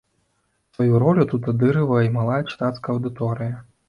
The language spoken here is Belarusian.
Сваю ролю тут адыгрывае і малая чытацкая аўдыторыя.